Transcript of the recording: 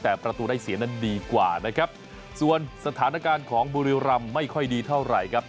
แต่ประตูได้เสียนั้นดีกว่านะครับส่วนสถานการณ์ของบุรีรำไม่ค่อยดีเท่าไหร่ครับ